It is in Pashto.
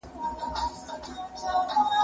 هغه څوک چي پلان جوړوي منظم وي،